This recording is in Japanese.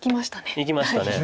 いきました。